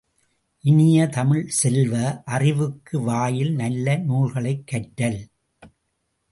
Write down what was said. இனிய தமிழ்ச் செல்வ, அறிவுக்கு வாயில் நல்ல நூல்களைக் கற்றல்.